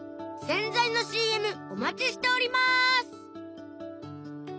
洗剤の ＣＭ お待ちしております！